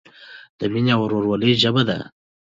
د مینې او ورورولۍ ژبه ده.